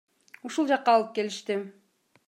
Ушул жакка алып келишти.